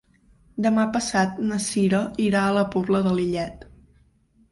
Demà passat na Sira irà a la Pobla de Lillet.